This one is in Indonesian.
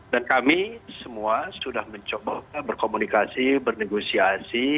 dan kami semua sudah mencoba berkomunikasi bernegosiasi